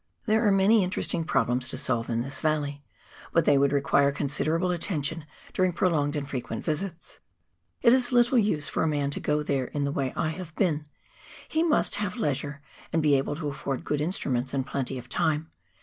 There are many interesting problems to solve in this valley, but they would require considerable attention during pro longed and frequent visits ; it is little use for a man to go there in the way I have been ; he must have leisure, and be able to afford good instruments and plenty of time.